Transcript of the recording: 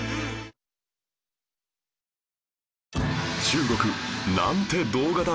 中国なんて動画だ！